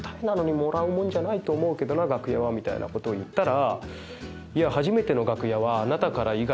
みたいなことを言ったら。